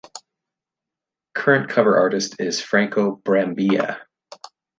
Current cover artist is Franco Brambilla.